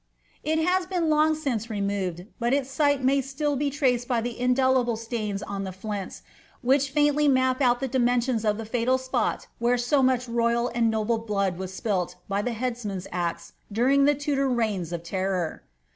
It has been long since removed, but its site may still be traced by the indelible stains on the flints, which faintly map out the dimensions of the &tal spot where so much royal and noble blood was spilt by the headsman's axe during the Tudor reigns of terror.'